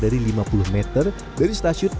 dari lima puluh meter dari stasiun